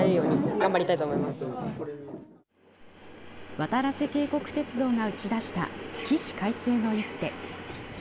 わたらせ渓谷鉄道が打ち出した起死回生の一手。